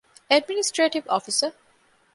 އ.އެޑްމިނިސްޓްރޭޓިވް އޮފިސަރ